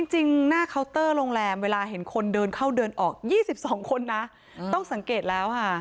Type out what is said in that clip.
จริงหน้าเคาน์เตอร์โรงแรมเวลาเห็นคนเดินเข้าเดินออก๒๒คนนะต้องสังเกตแล้วค่ะ